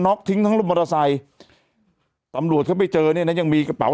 ็อกทิ้งทั้งรถมอเตอร์ไซค์ตำรวจเข้าไปเจอเนี่ยนะยังมีกระเป๋า